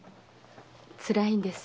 つらいんです。